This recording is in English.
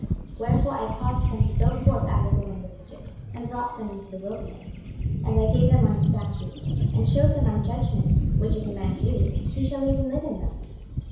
26:020:010 Wherefore I caused them to go forth out of the land of Egypt, and brought them into the wilderness. 26:020:011 And I gave them my statutes, and shewed them my judgments, which if a man do, he shall even live in them.